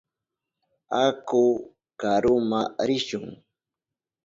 Aku karuma rishun.